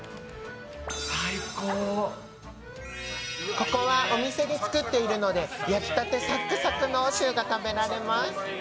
ここはお店で作ってるので焼きたてサックサクのシューが食べられます。